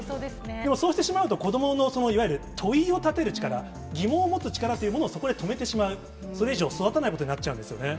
でもそうしてしまうと、子どものいわゆる問いを立てる力、疑問を持つ力というのをそこで止めてしまう、それ以上育たないことになっちゃうんですよね。